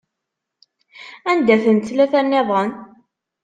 Anda-tent tlata-nniḍen?